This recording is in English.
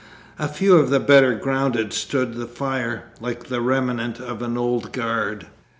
A few of the better grounded stood the fire, like a remnant of the Old Guard.